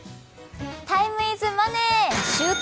タイム・イズ・マネー、「週刊！